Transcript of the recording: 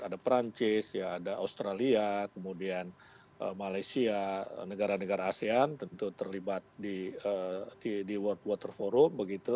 ada perancis ada australia kemudian malaysia negara negara asean tentu terlibat di world water forum begitu